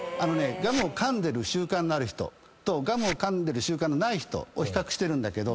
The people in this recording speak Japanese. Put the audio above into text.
ガムを噛んでる習慣のある人とガムを噛んでる習慣のない人を比較してるんだけど。